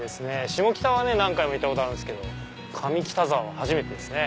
シモキタは何回も行ったことあるんすけど上北沢は初めてですね。